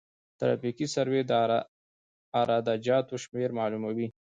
ترافیکي سروې د عراده جاتو شمېر معلوموي